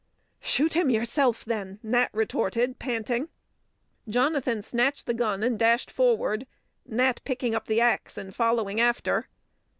"Shoot him yourself, then!" Nat retorted, panting. Jonathan snatched the gun and dashed forward, Nat picking up the axe and following after.